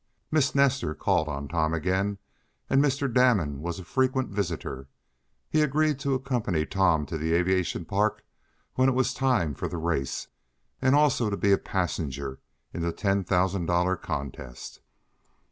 Miss Nestor called on Tom again, and Mr. Damon was a frequent visitor. He agreed to accompany Tom to the aviation park when it was time for the race, and also to be a passenger in the ten thousand dollar contest.